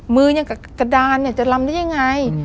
มือกระดานจะล้ำได้อย่างไร